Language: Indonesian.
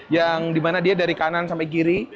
yang dimana dia dari kanan sampai kiri